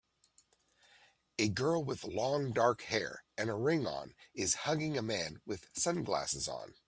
A girl with long dark hair and a ring on is hugging a man with sunglasses on